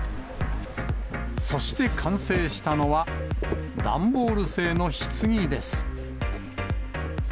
そして完成したのは、段ボール製のひつぎです。